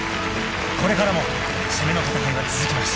［これからも攻めの戦いは続きます］